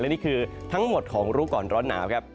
นี่คือทั้งหมดของรู้ก่อนร้อนหนาวครับ